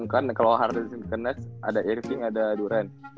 kan kalau harden disini ada nash ada irving ada durant